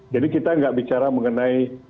kita nggak bicara mengenai